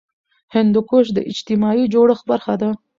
هندوکش د اجتماعي جوړښت برخه ده.